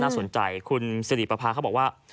สนใจคุณสิริปภาเขาบอกว่า